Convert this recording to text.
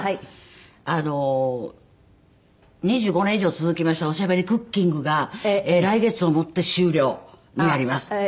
２５年以上続きました『おしゃべりクッキング』が来月をもって終了になります。